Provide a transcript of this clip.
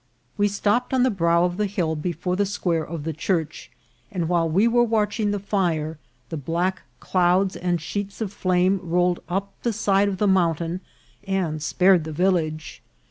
We stopped on the brow of the hill before the square of the church, and while we were watching the fire, the black clouds and sheets of flame rolled up the side of the mountain, and spared the village.